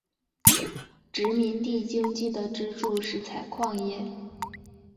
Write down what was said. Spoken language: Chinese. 殖民地经济的支柱是采矿业。